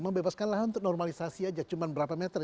membebaskan lahan untuk normalisasi aja cuma berapa meter